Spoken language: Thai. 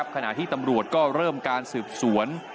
ขณะที่ตำรวจก็เริ่มการสืบสวน